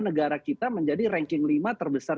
negara kita menjadi ranking lima terbesar